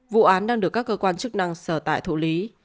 vụ án đang được các cơ quan chức năng sở tại thụ lý